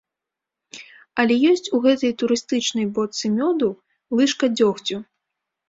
Але ёсць у гэтай турыстычнай бочцы мёду лыжка дзёгцю.